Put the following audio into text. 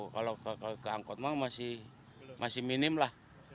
kalau ke angkot mah masih minim lah